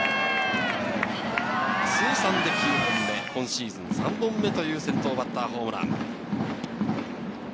通算で９本目、今シーズン３本目という先頭バッターホームラン。